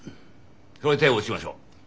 それで手を打ちましょう。